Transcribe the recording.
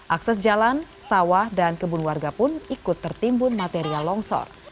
akses jalan sawah dan kebun warga pun ikut tertimbun material longsor